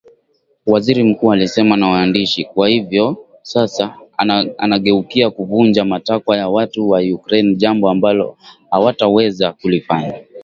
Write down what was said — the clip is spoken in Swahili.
waziri mkuu alisema na waandishi "Kwa hivyo sasa anageukia kuvunja matakwa ya watu wa Ukraine jambo ambalo hawataweza kulifanya"